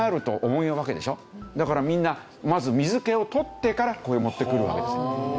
だからみんなまず水気を取ってからここへ持ってくるわけですよ。